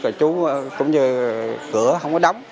rồi chú cũng như cửa không có đóng